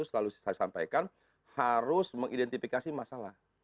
selalu saya sampaikan harus mengidentifikasi masalah